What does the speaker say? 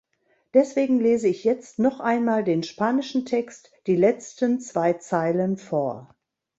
Deswegen lese ich jetzt noch einmal den spanischen Text, die letzten zwei Zeilen vor.